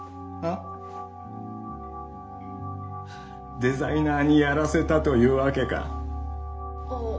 デザイナーにやらせたという訳かッ！